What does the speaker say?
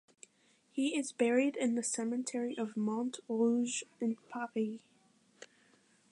He is buried in the cemetery of Montrouge in Paris.